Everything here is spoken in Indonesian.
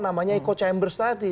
namanya eco chambers tadi